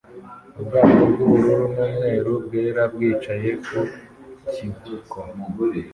Ubwato bw'ubururu n'umweru bwera bwicaye ku kivuko